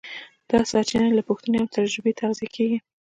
دا سرچینه له پوښتنې او تجربې تغذیه کېږي.